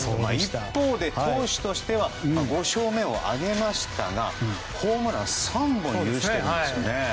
一方で投手としては５勝目を挙げましたがホームラン３本許してるんですね。